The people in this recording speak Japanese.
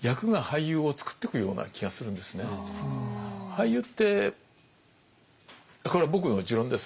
きっと俳優ってこれは僕の持論です。